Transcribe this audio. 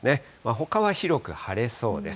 ほかは広く晴れそうです。